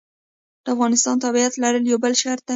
د افغانستان تابعیت لرل یو بل شرط دی.